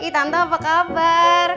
tante apa kabar